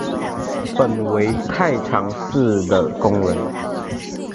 本为太常寺的工人。